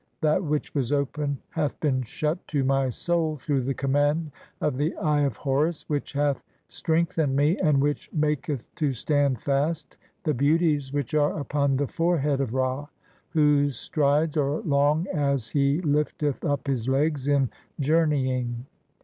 That which "was open hath been shut to my soul through the command of "the Eye of Horus, (3) which hath strengthened me and which "maketh to stand fast the beauties which are upon the forehead "of Ra, whose strides are long as [he] lifteth up [his] legs [in "journeying].